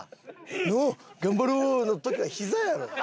「のう！頑張ろう」の時はひざやろ。